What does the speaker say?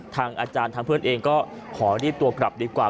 ทางอาจารย์ทางเพื่อนเองก็ขอรีบตัวกลับดีกว่า